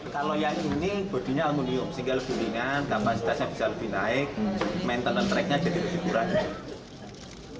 kalau yang ini bodinya aluminium sehingga lebih ringan kapasitasnya bisa lebih naik maintenant tracknya jadi lebih kurang